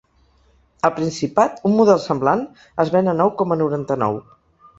Al Principat un model semblant es ven a nou coma noranta-nou.